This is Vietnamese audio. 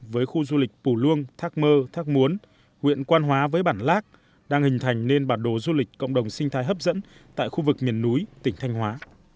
với khu du lịch pù luông thác mơ thác muốn huyện quan hóa với bản lác đang hình thành nên bản đồ du lịch cộng đồng sinh thái hấp dẫn tại khu vực miền núi tỉnh thanh hóa